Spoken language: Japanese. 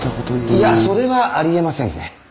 いやそれはありえませんね。